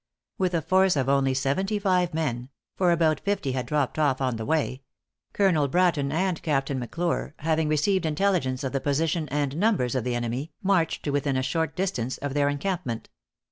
With a force of only seventy five men for about fifty had dropped off on the way Colonel Bratton and Captain M'Clure, having received intelligence of the position and numbers of the enemy, marched to within a short distance of their encampment.